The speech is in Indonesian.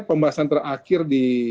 pembahasan terakhir di